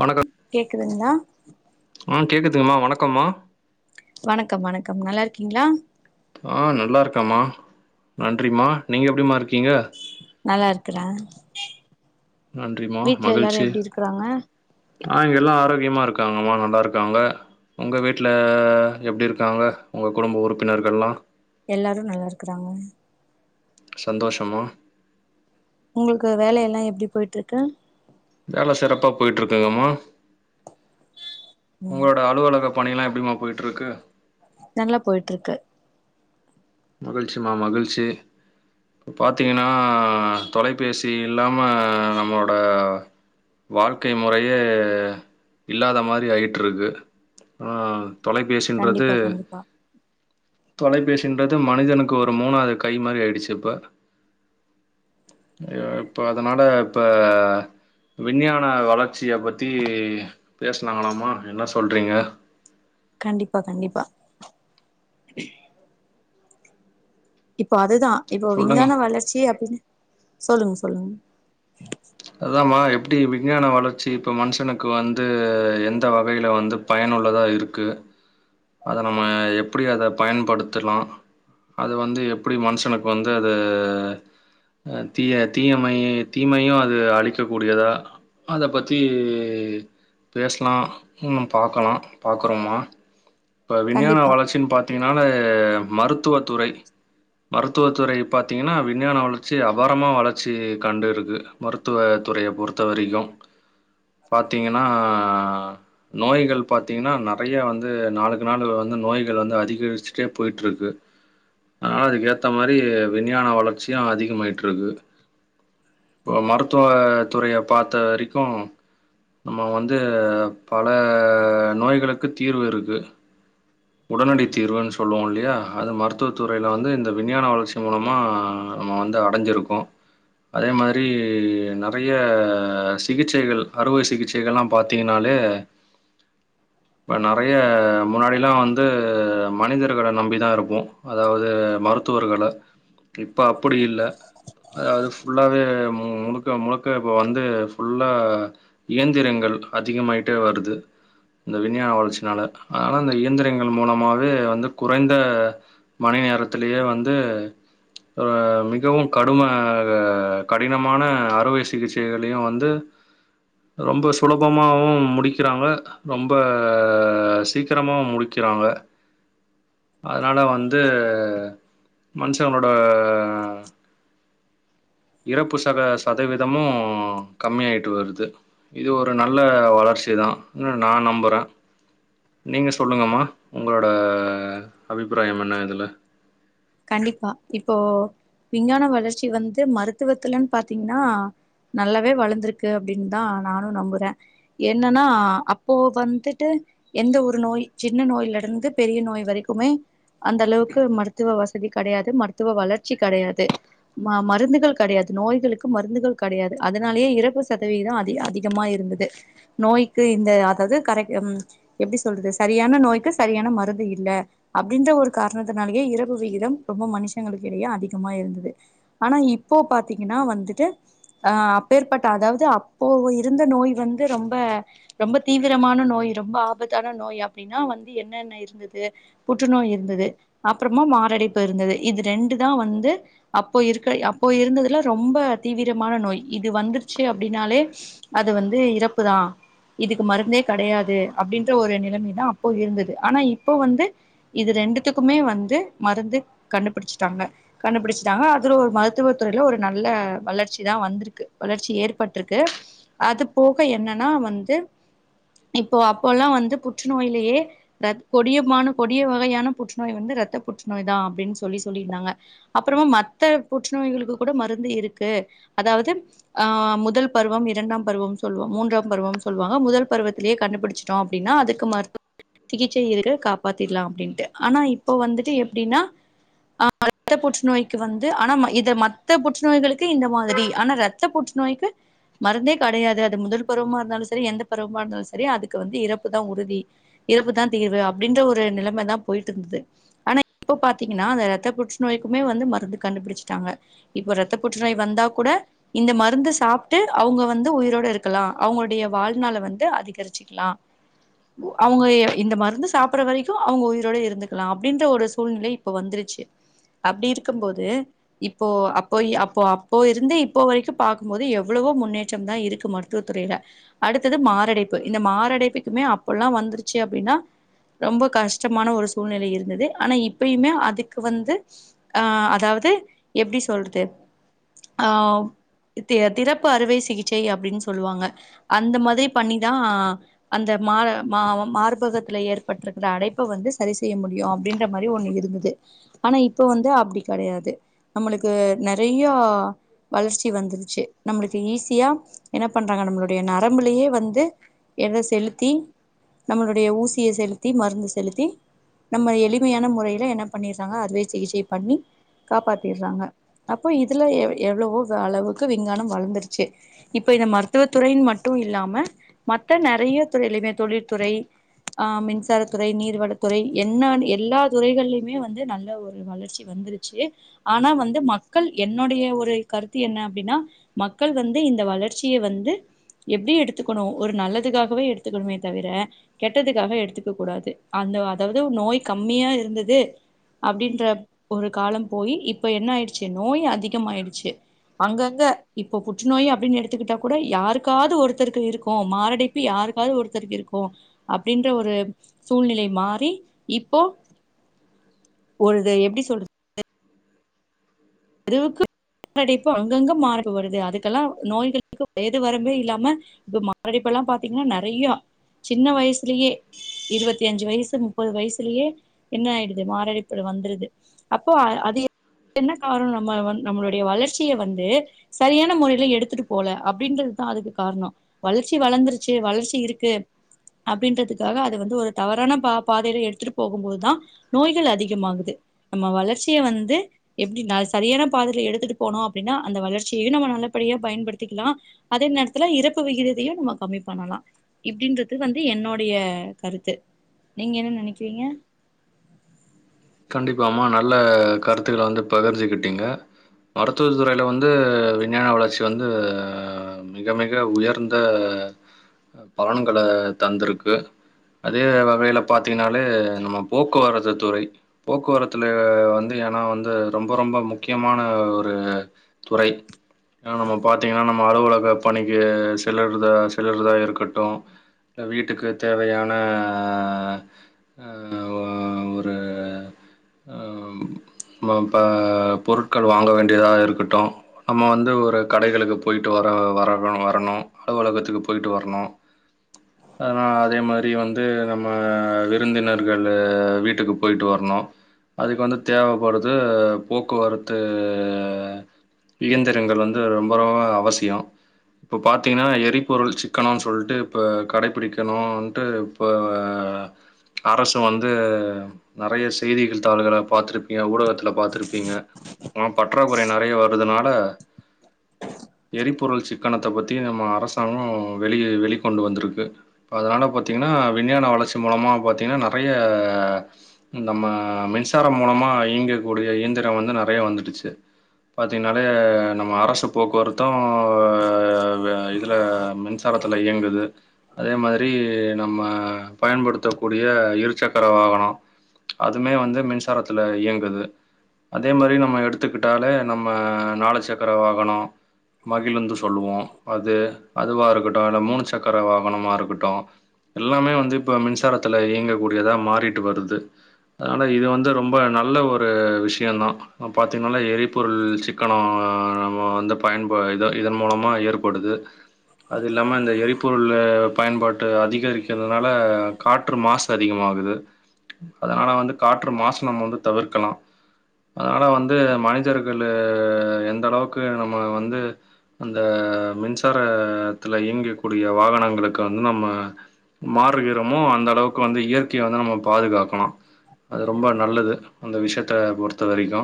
வணக்கோ கேக்குதுங்களா ஆ கேட்குதுங்கம்மா வணக்கோமா வணக்கம் வணக்கம் நல்லா இருக்கீங்களா ஆ நல்லா இருக்கேமா நன்றிம்மா நீங்க எப்டிமா இருக்கீங்க நல்லா இருக்கிறே நன்றிம்மா வீட்ல எல்லாரு மகிழ்ச்சி எப்டி இருக்குறாங்க ஆ இங்க எல்லா ஆரோக்கியமா இருக்காங்க ம்மா நல்லா இருக்காங்க உங்க வீட்ல எப்டி இருக்காங்க உங்க குடும்ப உறுப்பினர்கள்ல்லா எல்லாரு நல்லாருக்குறாங்க சந்தோஷம்மா உங்களுக்கு வேலையெல்லா எப்டி போயிட்டு ருக்கு வேல சிறப்பாக போய்ட்டு இருக்குங்கம்மா உங்களோட அலுவலக பணியெல்லா எப்டிமா போய்ட்டுருக்கு நல்லா போய்ட்டு ருக்கு மகிழ்ச்சிமா மகிழ்ச்சி பாத்தீங்கன்னா தொலைபேஸ் இல்லாம நம்மளோட வாழ்க்கை முறையே இல்லாத மாரி ஆய்ட்ருக்கு ஆ தொலைபேசின்றது கண்டிப்பா கண்டிப்பா தொலைபேசின் மனிதனுக்கு ஒரு மூணாவது கை மாரி ஆய்டுச்சு இப்ப ஐய இப்ப அதனால இப்ப விஞ்ஞான வளர்ச்சிய பத்தி பேசனாங்களாமா என்ன சொல்றீங்க கண்டிப்பா கண்டிப்பா இப்போ அதுதா இப்போ சொல்லுங்க. விஞ்ஞான வளர்ச்சி அப்டின்னு சொல்லுங்க சொல்லுங்க அதாம்மா எப்டி விஞ்ஞான வளர்ச்சி இப்போ மனுஷனுக்கு வந்து எந்த வகைல வந்து பயனுள்ளதா இருக்கு அத நம்ம எப்டி அத பயன்படுத்தலா அது வந்து எப்டி மனுஷனுக்கு வந்து அது அ தீய தீயமை தீமையு அது அழிக்கக்கூடியதா அத பத்தி பேசலா இன்னு பாக்கலா பாக்கறோமா இப்ப விஞ்ஞான கண்டிப்பா வளர்ச்சின் பாத்தீங்கன்னாலே மருத்துவ துறை மருத்துவ துறை பாத்தீங்கன்னா விஞ்ஞான வளர்ச்சி அபாரமா வளர்ச்சிகண்டு இருக்கு மருத்துவ துறைய பொறுத்த வரிக்கு உம் பாத்தீங்கன்னா நோய்கள் பாத்தீங்கன்னா நறைய வந்து நாளுக் நாளு வந்து நோய்கள் வந்து அதிகரிச்சுட்டே போய்ட்ருக்கு அதனால அதுக்கு ஏத்த மாரி விஞ்ஞான வளர்ச்சியு அதிகமாய்ட்ருக்கு அ மருத்துவ துறைய பாத்த வரிக்கு நம்ம வந்து பல நோய்களுக்கு தீர்வு இருக்கு உடனடி தீர்வுன் சொல்லுவோ இல்லையா அது மருத்துவ துறையில வந்து இந்த விஞ்ஞான வளர்ச்சி மூலமா நம்ம வந்து அடஞ்சிருக்கோ அதே மாரி நறைய சிகிச்சைகள் அறுவை சிகிச்சை சிகிச்சைலா பாத்திங்கனாலே [inaudible] இப்ப நறைய முன்னாடில்லா வந் து மனிதர்கள நம்பிதா இருப்போ அதாவ்து மருத்துவர்கள இப்ப அப்புடி இல்ல அதாவ்து ஃபுல்லாவே முழுக்க முழுக்க இப்போ வந்து ஃபுல்லா இயந்திரங்கள் அதிகமாய்ட்டே வருது இந்த விஞ்ஞான வளர்ச்சினால அதனால அந்த இயந்திரங் கள் மூலமாவே வந்து குறைந்த மணி நேரத்திலயே வந்து ஆ மிகவு கடும கடினமான அறுவை சிகிச்சைகளையு வந்து ரொம்ப சுலபமாவு முடிக்கிறாங்க ரொம்ப சீக்கிரமா முடிக்கிறாங்க அதுனால வந்து மனுஷங்களளோட இறப்பு சத சதவீதமு கம்மியாய்ட்டு வருது இது ஒரு நல்ல வளர்ச்சிதா நா நம்புறே நீங்க சொல்லுங்கம்மா உங்களோட அபிப்ராயம் என்ன இதுல கண்டிப்பா இப்போ விஞ்ஞான வளர்ச்சி வந்து மருத்துவத்துலன் பாத்தீங்கன்னா நல்லாவே வளந்துருக்கு அப்டின்தா நானு நம்புறே என்னன்னா அப்போ வந்துட்டு எந்த ஒரு நோய் சின்ன நோய்ல இருந்து பெரிய நோய் வரிக்குமே அந்த அளவுக்கு மருத்துவ வச [unintelligible] கடையாது மருத்துவ வளர்ச்சி கடையாது ம மருந்துகள் கடையாது நோய்களுக்கு மருந்துகள் கடையாது அதனாலயே இறப்பு சதவிதோ அதிக அதி கமா இருந்தது நோய்க்கு இந்த அதாவ்து கரெக் ம் எப்டி சொல்றது சரியான நோய்க்கு சரியான மருந்து இல்ல அப்டின்ற ஒரு காரணத்தினாலேயே இரவு விகி த ரொம்ப மனுஷங்களுக்கு இடையே அதிகமா இருந்தது ஆனா இப்போ பாத்தீங்கன்னா வந்துட்டு அ அப்பேற்பட்ட அதாவ்து அப்போ இருந்த நோய் வந்து ரொம்ப ரொம்ப தீவிரமான நோய் ரொம்ப ஆபத்தான நோய் அப்டின்னா வந்து என்னென்ன இருந்தது புற்றுநோய் இருந்தது அப்றமா மாரடைப்பு இருந்தது இது ரெண்டு தா வந்து அப்போ இருக்க அப்போ இருந்ததுலா ரொம்ப தீவிரமான நோய் இது வந்துருச்சு அப்டின்னாலே அது வந்து இறப்புதா இதுக்கு மருந்தே கடையாது அப்டின்ற ஒரு நிலைமைதா அப்போ இருந்தது ஆனா இப்போ வந்து இது ரெண்டுத்துக்குமே வந்து மருந்து கண்டுபிடிச்சிட்டாங்க கண்டுபிடிச்சிட்டாங்க அதுல ஒரு மருத்துவ துறையில ஒரு நல்ல வளர்ச்சி தா வந்திருக்கு வளர்ச்சி ஏற்பட்டிருக்கு அது போக என்னன்னா வந்து இப்போ அப்போல்லா வந்து புற்றுநோயிலயே இரத் கொடியமான கொடிய வகையான புற்றுநோய் வந்து இரத்த புற்றுநோய் தா அப்டின்னு சொல்லி சொல்லியிருந்தாங்க அப்றமா மத்த புற்றுநோய்களுக்கு கூட மருந்து இருக்கு அதாவ்து ஆ முதல் பருவம் இரண்டாம் பருவம் சொல்லுவ மூன்றாம் பருவம் சொல்லுவாங்க முதல் பருவத்திலயே கண்டுபிடிச்சு டோ அப்டின்னா அதுக்கு மருத்து சிகிச்சை இருக்கு காப்பாத்திட்லா அப்டின்ட்டு ஆனா இப்போ வந்துட்டு எப்டின்னா ஆ [inaudible] த்த புற்றுநோய்க்கு வந்து ஆனா இத மத்த புற்றுநோய்களுக்கு இந்த மாதிரி ஆனா இரத்த புற்றுநோய்க்கு மருந்தே கடையாது அது முதல் பருவமா இருந்தாலு செரி எந்த பருவமா இருந்தாலு செரி அதுக்கு வந்து இறப்பு தா உறுதி இறப்புதா தீர்வு அப்டின்ற ஒரு நிலைமை தா போய்ட்டு இருந்துது பாத்தீங்கன்னா அந்த இரத்த புற்றுநோய்க்குமே வந்து மருந்து கண்டுபிடிச்சிட்டாங்க இப்ப இரத்த புற்றுநோய் வந்தா கூட இந்த மருந்து சாப்ட்டு அவுங்க வந்து உயிரோட இருக்கலா அவுங்களுடைய வாழ்நாள வந்து அதிகரிச்சுக்கலா உ அவுங்க இந்த மருந்து சாப்பற வரைக்கு அவுங்க உயிரோட இருந்துக்கலா அப்டின்ற ஒரு சூழ்நிலை இப்ப வந்துருச்சு அப்டி இருக்குபோது இப்போ அப்போ அப்போ அப்போ இருந்து இப்போ வரைக்கு பாக்கும்போது எவ்வளவோ முன்னேற்ற தா இருக்கு ம ருத்துவத்துறையில அடுத்தது மாரடைப்பு இந்த மாரடைப்புக்குமே அப்பல்லா வந்துருச்சு அப்டின்னா ரொம்ப கஷ்டமான ஒரு சூழ்நிலை இருந்தது ஆனா இப் பயுமே அதுக்கு வந்து அ அதாவ்து எப்டி சொல்றது ஆ தி திறப்பு அறுவை சிகிச்சை அப்டின்னு சொல்லுவாங்க அந்தமாதிரி பண்ணிதா அந்த மார மா மார்பகத்துல ஏற்பட்டிருக்கிற அடைப்பை வந்து சரி செய்ய முடியு அப்டின்ற மா ரி ஒண்ணு இருந்துது ஆனா இப்ப வந்து அப்டி கடையாது நம்மளுக்கு நெறைய வளர்ச்சி வந்துருச்சு நம்மளுக்கு ஈஸியா என்ன பண்றாங்க நம்மளுடைய நரம்புலையே வந்து எத செலுத்தி நம்பளுடைய ஊசிய செலுத்தி மருந்து செலுத்தி நம்ம எளி மையான முறையில என்ன பண்ணிற்றாங்க அதுவே சிகிச்சை பண்ணி காப்பாத்திட்றாங்க அப்போ இதுல எவ் எவ்ளவோ அளவுக்கு விஞ்ஞானம் வளந்துருச்சு இப்ப இத மருத்துவ துறைய்ன் மட்டு இல்லாம மத்த நறைய துறையிலமே தொழில்துறை ஆ மின்சாரத்துறை நீர்வளத்துறை என்னவேணா எ ல்லா துறைகள்லயுமே வந்து நல்ல ஒரு வளர்ச்சி வந்துருச்சு ஆனா வந்து மக்கள் என்னுடைய ஒரு கருத்து என்ன அப்டின்னா மக்கள் வந்து இந்த வளர்ச்சிய வந்து எப்டி எடுத்துக்கணு ஒரு நல்லதுக்காகவே எடுத்துக்கணுமே தவிர கெட்டதுக்காக எடுத்துக்க கூடாது அந்த அதாவ்து நோய் கம்மியா இருந்துது அப்டின்ற ஒரு காலம் போய் இப்ப என்ன ஆயிடுச்சு நோய் அதிகமாயிடுச்சு அங்கங்க இப்போ புற்றுநோய் அப்டின்னு எடுத்துக்கிட்டா கூட யாருக்காவது ஒருத்தருக்கு இருக்கு மாரடைப் ப்பு யாருக்காது ஒருத்தருக்கு இருக்கு அப்டின்ற ஒரு சூழ்நிலை மாறி இப்போ ஒருது எப்டி சொல்றது அளவுக்கு மாரடைப்பு அங்கங்க மார்ரடைப்பு வருது அதுக்கெல்லா நோய்களுக்கு வயது வரமே இல்லாம இப்ப மாரடப்பு எல்லா பாத்திங்கன்னா நறைய சின்ன வயசுலயே இருவத்தி அஞ்சு வயசு முப்பது வயசுலயே என்ன ஆயிடுது மாரடைப்பு வந்துருது அப்போ அது என்ன எல்லாரு நம்ம நம்முடைய வளர்ச்சிய வந்து சரியான முறையில எடுத்துட்டு போல அப்டின்றதுதா அதுக்கு காரணோ வளர்ச்சி வளந்துர்ச்சு வளர்ச்சி இருக்கு அப்டின்றதுக்காக அது வந்து ஒரு தவறான பா பாதையில எடுத்துட்டு போகுபோதுதா நோய்கள் அதிகமாகுது நம்ம வளர்ச்சிய வந்து எப்டி நா சரியான பாதைல எடுத்துட்டு போனு அப்டின்னா அந்த வளர்ச்சியையு நம்ம நல்லபடியா பயன்படுத்திக்கலா அதே நேரத்துல இறப்பு விகிதையையு நம்ம கம்மி பண்ணலா இப்டின்றது வந்து என்னோடைய கருத்து நீங்க என்ன நெனைக்கிறீங்க கண்டிப்பாம்மா நல்ல கருத்துக்கள வந்து பகிர்த்துக்கிட்டிங்க மருத்துவ துறையில்ல வந்து விஞ்ஞான வளர்ச்சி வந்து அ மிக மிக உயர்ந்த பலன்கள தந்ருக்கு அதே வகையில பாத்திங்கனாலே நம்ம போக்குவரத்து துறை போக்குவரத்துல வந்து ஏனா வந்து ரொம்ப ரொம்ப முக்கியமான ஒரு துறை ஏன்னா நம்ம பாத்திங்கன்னா நம்ம அலுவலக பணிக்கு செல்லுறதா செல்லுறதா இருக்கட்டு அ வீட்டுக்கு தேவையான அ ஒரு அ ப்ப பொருட்கள் வாங்க வேண்டியதாக இருக்கட்டு நம்ம வந்து ஒரு கடைகளுக்கு பொயிட்டு வர வர வரணு அலுவலகத்துக்கு பொயிட்டு வரணு அதே மாதிரி வந்து நம்ம விருந்தினர்கள் வீட்டுக்கு பொயிட்டு வரணு அதுக்கு வந்து தேவைப்படுது போக்குவரத்து அ இயந்திரங்கள் வந்து ரொம்ப ரொம்ப அவசியோ இப்போ பாத்திங்ன்னா எரிபொருள் சிக்கனோனு சொல்ட்டு இப்ப கடைப்பிடிக்கணுன்ட்டு இப்ப அரசு வந்து நறைய சிக் செய்திகள் தாள்கள பாத்திருப்பீங்க ஊடகத்துல பாத்திருப்பீங்க அ பற்றாக்குறை நறைய வரதுனால எரிபொருள் சிக்கனத்த பத்தி நம்ம அரசாங்கோ வெளிய வெளிக் கொண்டு வந்துருக்கு இப்போ அதனால பாத்திங்கன்னா விஞ்ஞான வளர்ச்சி மூலமாக பாத்திங்கன்னா நறைய நம்ம மின்சாரம் மூலமா இயங்கக்க கூடிய இயந்திரோ வந்து நறைய வந்துடுச்சு பாத்திங்கனாலே நம்ம அரசு போக்குவரத்து மொத்த இதுல மின்சாரத்துல்ல இயங்குது அதே மாதிரி ரி நம்ம பயன்படுத்தக் கூடிய இருசக்கர வாகனோ அதுமே வந்து மின்சாரத்துல இயங்குது அதே மாதிரி நம்ம எடுத்துக்கிட்டாலே நம்ம நாலு சக்கர வாகனோ மகிழ்ந்து சொல்லுவோ அது அதுவா இருக்கட்டு இல்ல மூணு சக்கர வாகனமா இருக்கட்டு எல்லாமே வந்து இப்ப மின்சாரத்துல இயங்கக்கூடியதா மாறிட்டு வருது அதனால இது வந்து ரொம்ப நல்ல ஒரு விஷ்யோ தா பாத்தீங்கன்னா எரிபொருள் சிக்கனோ நம்ம வந்து பயன்ப இத இதன் மூலமா ஏற்படுது அது இல்லாம இந்த எரிபொருள் பயன்பாட்டு அதிகரிக்கிறதுனால காற்று மாசு அதிகமாகுது அதனால வந்து காற்று மாசு நம்ம வந்து தவிர்க்கலா ஆனா வந்து மனிஜர்கள் எந்த அளவுக்கு நம்ம வந்து அந்த மின்சார த்துல இயங்கக்கூடிய வாகனங்களுக்கு வந்து நம்ம மாறுகிறோமோ அந்த அளவுக்கு வந்து இயற்கைய வந்து நம்ம பாதுகாக்கனு அது ரொம்ப நல்லது அந்த விஷ்யத்த பொறுத்த வரைக்கு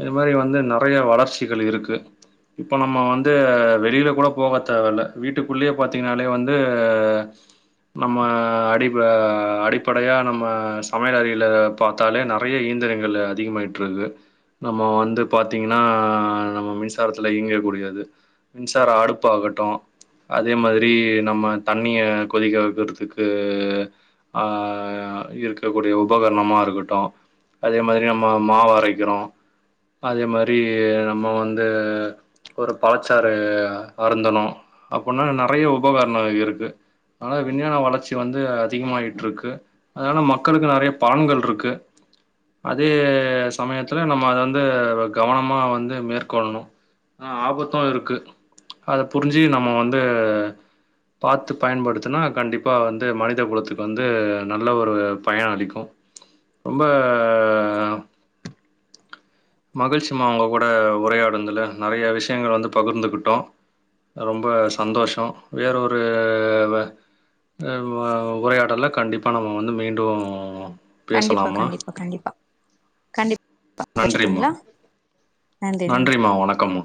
இது மாரி வந்து நெறைய வளர்ச்சிகள் இருக்கு இப்போ நம்ம வந்து வெளில கூட போக தேவல்ல வீட்டுக்குள்ளயே பாத்தீங்கன்னாலே வந்து நம்ம அடிப்ப அடிப்படையா நம்ம சமையல் அறையில பாத்தாலே நெறைய இயந்திரங்கள் அதிகமாயிட்டுருக்கு நம்ம வந்து பாத்தீங்கன்னா நம்ம மின்சாரத்துல இயங்கக்கூடியது மின்சார அடுப்பு ஆகட்டு அதே மாதிரி நம்ம தண்ணிய கொதிக்க வக்கற்துக்கு ஆ இருக்கு இருக்கக்க கூடிய உபகரணமா இருக்கட்டு அதே மாரி நம்ம மாவு அரைக்கிறோ அதே மாரி நம்ம வந்து ஒரு பழச்சாறு அருந்தனு அப்புன்னா நெறைய உபகரணோ இருக்கு ஆனா விஞ்ஞான வளர்ச்சி வந்து அதிகமாயிட்ருக்கு அதனால மக் க்களுக்கு நெறைய பலன்கள் இருக்கு அதே சமயத்துல நம்ம அத வந்து கவனமா வந்து மேற்கொள்ணு ஆ ஆபத்து இருக்கு அத புரிஞ்சு நம்ம வந்து பாத்து பயன்படுத்துனா கண்டிப்பா வந்து மனித குலத்துக்கு வந்து நல்ல ஒரு பயன ளிக்கு ரொம்ப மகிழ்ச்சிமா உங்க கூட உரையாடுதுல நெறைய விஷயங்கள் வந்து பகிர்ந்துகிட்டோ ரொம்ப சந்தோஷோ வேற ஒரு வ உரையாடல்ல கண்டிப்பா நம்ம வந்து மீண்டு கண்டிப்பா கண்டிப்பா கண்டிப்பா கண்டிப்பா வச்சுர்டுங்ளா நன்றிமா வணக்கம்மா